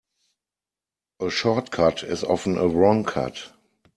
A short cut is often a wrong cut.